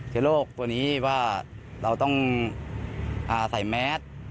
ชะโลกตัวนี้ว่าเราต้องอ่าใส่แมช